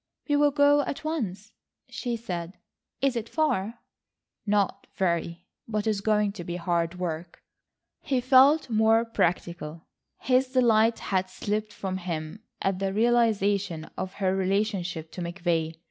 "We'll go at once," she said. "Is it far?" "Not very, but it is going to be hard work." He felt more practical. His delight had slipped from him at the realisation of her relationship to McVay.